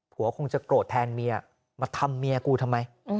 คงจะโกรธแทนเมียมาทำเมียกูทำไม